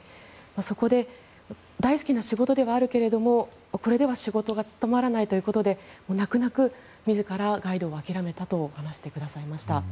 そこで、大好きな仕事ではあるけれどもこれでは仕事が務まらないということで泣く泣く、自らガイドを諦めたと話してくれました。